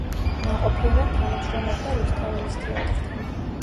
ნაყოფიერად თანამშრომლობდა რუსთაველის თეატრთან.